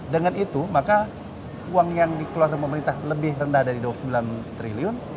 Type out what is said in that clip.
dengan itu maka uang yang dikeluarkan pemerintah lebih rendah dari rp dua puluh sembilan triliun